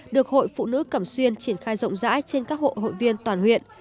được hội phụ nữ cẩm xuyên triển khai rộng rãi trên các hộ hội viên toàn huyện